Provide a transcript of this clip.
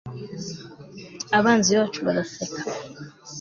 abanzi bacu baraseka